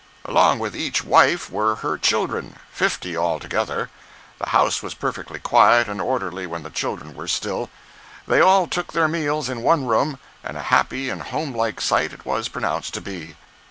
Along with each wife were her children—fifty altogether. The house was perfectly quiet and orderly, when the children were still. They all took their meals in one room, and a happy and home like sight it was pronounced to be.